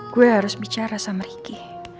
gue harus bicara sama ricky